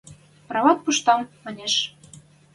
Прават пуштам! – манеш.